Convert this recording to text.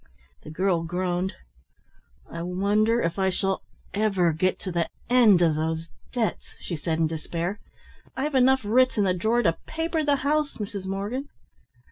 The girl groaned. "I wonder if I shall ever get to the end of those debts," she said in despair. "I've enough writs in the drawer to paper the house, Mrs. Morgan."